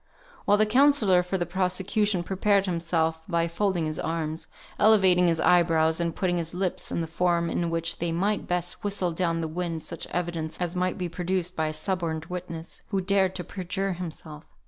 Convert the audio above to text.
while the counsellor for the prosecution prepared himself by folding his arms, elevating his eyebrows, and putting his lips in the form in which they might best whistle down the wind such evidence as might be produced by a suborned witness, who dared to perjure himself.